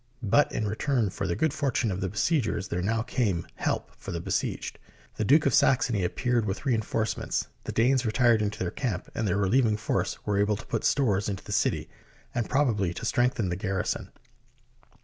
But in return for the good fortune of the be siegers, there now came help for the besieged. The Duke of Saxony appeared with reinforcements, the Danes retired into their camp, and the relieving SIEGE OF PARIS force were able to put stores into the city, and prob ably to strengthen the garrison.